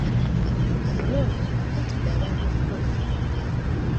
Omuloodi akuutidde abantu okukola ennyo.